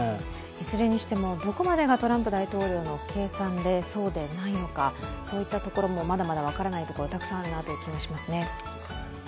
いずれにしてもどこまでがトランプ大統領の計算でそうでないのかそういったところもまだまだ分からないところたくさんあるなという気がしますね。